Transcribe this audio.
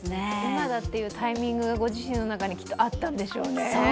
今だというタイミング、きっとご自身の中にあったんでしょうね。